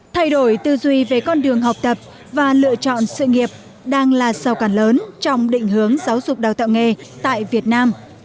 thay đổi tư duy về con đường học tập và lựa chọn sự nghiệp đang là sâu cản lớn trong định hướng giáo dục đào tạo nghề tại việt nam